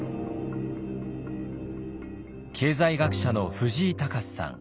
経済学者の藤井隆至さん。